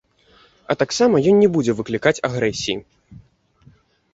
А таксама ён не будзе выклікаць агрэсіі.